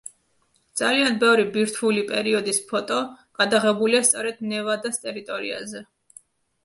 ძალიან ბევრი ბირთვული პერიოდის ფოტო გადაღებულია სწორედ ნევადას ტერიტორიაზე.